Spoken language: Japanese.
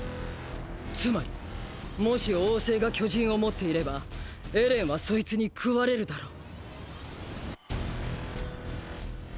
つまりもし王政が巨人を持っていればエレンはそいつに食われるだろう。